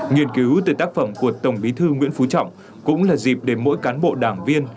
nghiên cứu từ tác phẩm của tổng bí thư nguyễn phú trọng cũng là dịp để mỗi cán bộ đảng viên